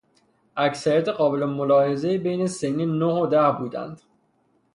اکثریت قابل ملاحظهای بین سنین نه و ده بودند.